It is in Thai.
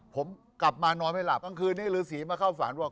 ผมกลับมานอนไม่หลับกลางคืนนี้ฤษีมาเข้าฝันว่า